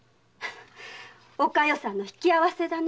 お加代さんの引き合わせだね。